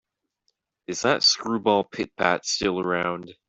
Is that screwball Pit-Pat still around?